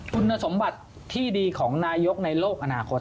คุณสมบัติที่ดีของนายกในโลกอนาคต